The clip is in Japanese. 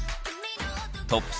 トップ３。